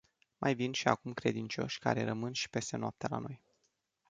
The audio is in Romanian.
Mai vin și acum credincioși care rămân și peste noapte la noi.